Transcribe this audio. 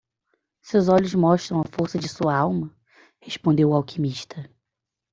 "Seus olhos mostram a força de sua alma?" respondeu o alquimista.